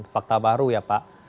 fakta baru ya pak